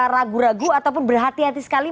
ragu ragu ataupun berhati hati sekali